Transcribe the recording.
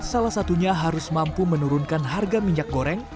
salah satunya harus mampu menurunkan harga minyak goreng